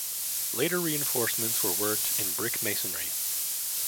Later reinforcements were worked in brick masonry.